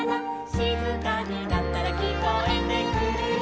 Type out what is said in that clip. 「しずかになったらきこえてくるよ」